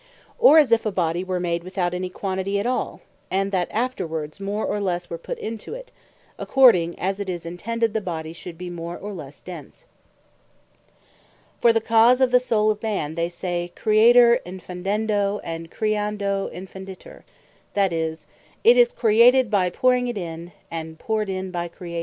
Or as if a Body were made without any Quantity at all, and that afterwards more, or lesse were put into it, according as it is intended the Body should be more, or lesse Dense. Powring In Of Soules For the cause of the Soule of Man, they say, Creatur Infundendo, and Creando Infunditur: that is, "It is Created by Powring it in," and "Powred in by Creation."